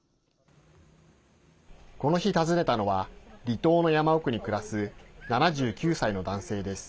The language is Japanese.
この日、訪ねたのは離島の山奥に暮らす７９歳の男性です。